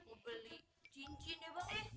mau beli cincin ya bang